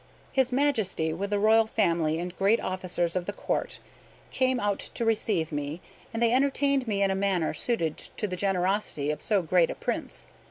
His Majesty, with the royal family and great officers of the Court, came out to receive me, and they entertained me in a manner suited to the generosity of so great a prince.